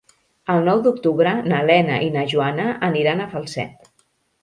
El nou d'octubre na Lena i na Joana aniran a Falset.